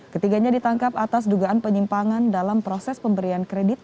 ketiganya ditangkap atas dugaan penyimpangan dalam proses pemberian kredit